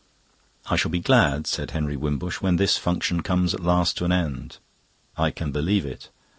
"I shall be glad," said Henry Wimbush, "when this function comes at last to an end." "I can believe it."